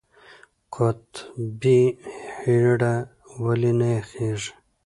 قطبي هیږه ولې نه یخیږي؟